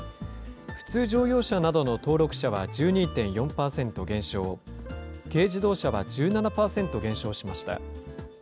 普通乗用車などの登録車は１２．４％減少、軽自動車は１７％減少しました。